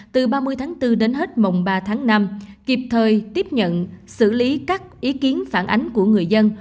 từ ba mươi tháng bốn đến hết mùng ba tháng năm kịp thời tiếp nhận xử lý các ý kiến phản ánh của người dân